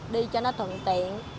đi cho nó thuận tiện